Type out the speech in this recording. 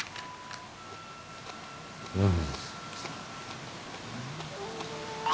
うん。